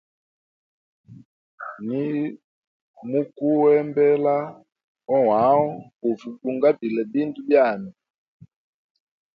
Nimukuembela oaho guve gu ngabile bindu byami.